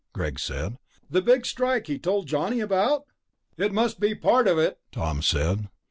Greg said. "The Big Strike he told Johnny about?" "It must be part of it," Tom said.